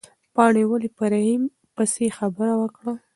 پاڼې ولې په رحیم پسې خبره وکړه؟